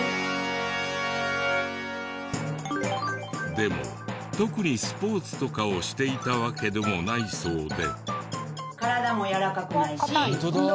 でも特にスポーツとかをしていたわけでもないそうで。